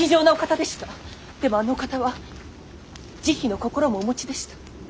でもあのお方は慈悲の心もお持ちでした。